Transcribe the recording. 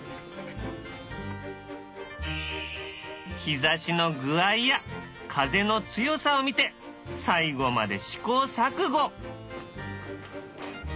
日ざしの具合や風の強さを見て最後まで試行錯誤。